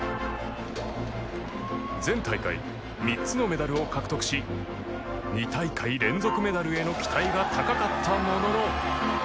前大会３つのメダルを獲得し２大会連続メダルへの期待が高かったものの